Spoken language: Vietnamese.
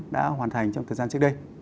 đã hoàn thành trong thời gian trước đây